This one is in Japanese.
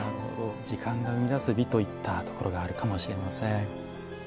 時間が生み出す美といったところがあるかもしれません。